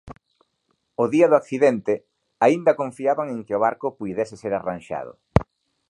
O día do accidente aínda confiaban en que o barco puidese ser arranxado.